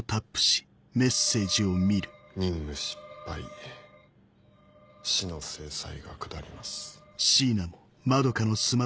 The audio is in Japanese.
「任務失敗死の制裁がくだります」。